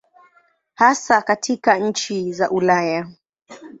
Hasa katika nchi za Ulaya.